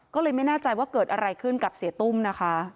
ก็เลยไม่แน่ใจว่าเกิดอะไรขึ้นกับเสียตุ้มนะคะ